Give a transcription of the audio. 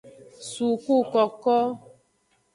Sukukoko.